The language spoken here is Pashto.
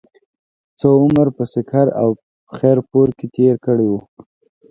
څۀ عمر پۀ سکهر او خېر پور کښې تير کړے وو